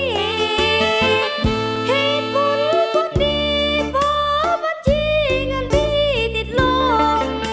เหตุผลพูดดีพอมันจริงอันดีติดลง